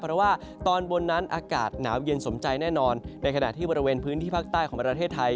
เพราะว่าตอนบนนั้นอากาศหนาวเย็นสมใจแน่นอนในขณะที่บริเวณพื้นที่ภาคใต้ของประเทศไทย